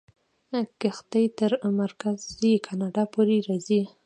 کښتۍ تر مرکزي کاناډا پورې راځي.